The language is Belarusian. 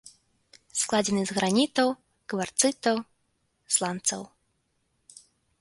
Складзены з гранітаў, кварцытаў, сланцаў.